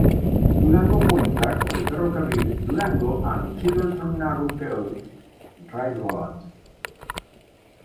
Durango cuenta con el ferrocarril Durango and Silverton Narrow Gauge Railroad.